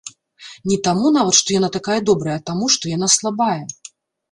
Не таму нават, што яна такая добрая, а таму, што яна слабая.